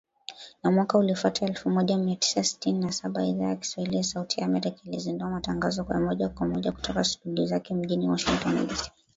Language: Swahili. Na mwaka uliofuata, elfu moja mia tisa sitini na saba, Idhaa ya Kiswahili ya Sauti ya Amerika ilizindua matangazo ya moja kwa moja kutoka studio zake mjini Washington DC